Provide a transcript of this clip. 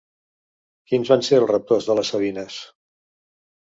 Quins van ser els raptors de les sabines?